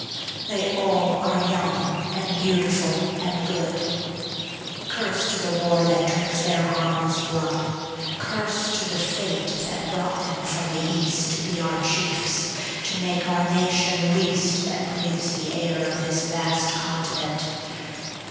They all are young and beautiful and good; Curse to the war that drinks their harmless blood. Curse to the fate that brought them from the East To be our chiefs to make our nation least That breathes the air of this vast continent.